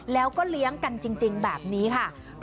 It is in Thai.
แล้วก็เลี้ยงกันจริงแบบนี้ค่ะ